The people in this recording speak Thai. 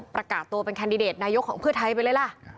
ประกาศตัวเป็นแคนดิเดตนายกของเพื่อไทยไปเลยล่ะ